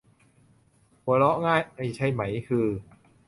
หัวเราะง่ายใช่ไหม ฮือ ?